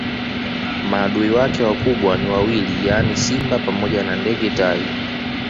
Maadui wake wakubwa ni wawili yaani simba pamoja na ndege tai